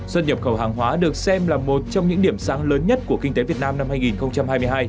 xuất nhập khẩu hàng hóa được xem là một trong những điểm sáng lớn nhất của kinh tế việt nam năm hai nghìn hai mươi hai